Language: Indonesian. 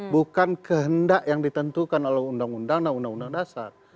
bukan kehendak yang ditentukan oleh undang undang dan undang undang dasar